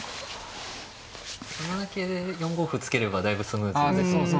３七桂で４五歩突ければだいぶスムーズですもんね。